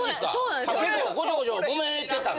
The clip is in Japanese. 結構ごちょごちょモメてたの？